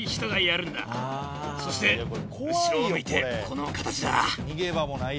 そして後ろを向いてこの形だ。